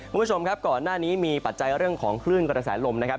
คุณผู้ชมครับก่อนหน้านี้มีปัจจัยเรื่องของคลื่นกระแสลมนะครับ